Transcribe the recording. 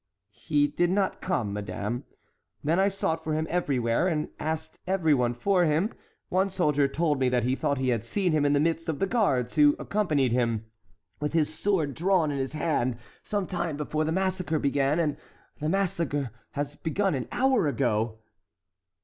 "He did not come, madame. Then I sought for him everywhere and asked every one for him. One soldier told me he thought he had seen him in the midst of the guards who accompanied him, with his sword drawn in his hand, some time before the massacre began, and the massacre has begun an hour ago."